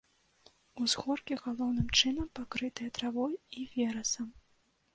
Узгоркі галоўным чынам пакрытыя травой і верасам.